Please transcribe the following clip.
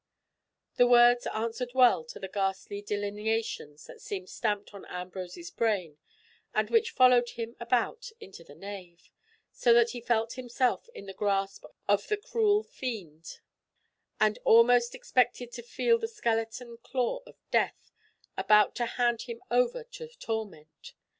The words answered well to the ghastly delineations that seemed stamped on Ambrose's brain and which followed him about into the nave, so that he felt himself in the grasp of the cruel fiend, and almost expected to feel the skeleton claw of Death about to hand him over to torment.